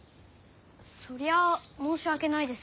そりゃあ申し訳ないですけんど。